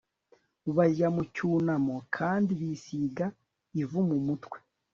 bajya mu cyunamo kandi bisiga ivu mu mutwe